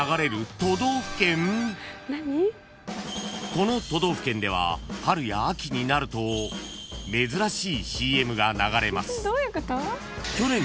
［この都道府県では春や秋になると珍しいＣＭが流れます］